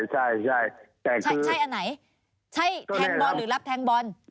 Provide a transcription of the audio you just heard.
ใช่ใช่อันไหนใช่แทงบอลหรือรับแทงบอล